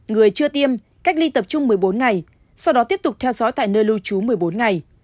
người chưa tiêm cách ly tập trung một mươi bốn ngày sau đó tiếp tục theo dõi tại nơi lưu trú một mươi bốn ngày